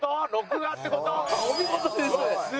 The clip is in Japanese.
お見事です！